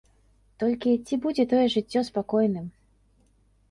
Толькі ці будзе тое жыццё спакойным?